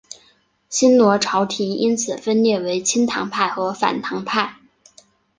新罗朝延因此分裂为亲唐派和反唐派。